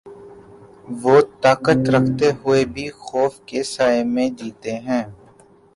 وہ طاقت رکھتے ہوئے بھی خوف کے سائے میں جیتے ہیں۔